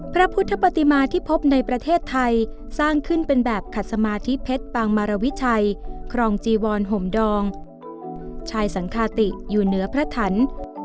พระพุทธปฏิมาที่พบในประเทศไทยสร้างขึ้นเป็นแบบขัดสมาธิเพชรปางมารวิชัยครองจีวรห่มดองชายสังคาติอยู่เหนือพระถัน